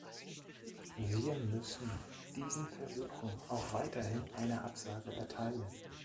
Wir müssen diesen Versuchen auch weiterhin eine Absage erteilen.